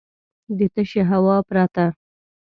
د تشې هوا پرته .